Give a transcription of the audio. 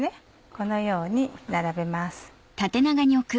このように並べます。